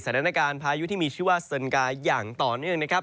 พายุที่มีชื่อว่าเซินกาอย่างต่อเนื่องนะครับ